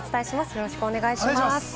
よろしくお願いします。